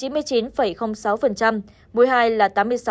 mối hai là tám mươi sáu sáu mươi sáu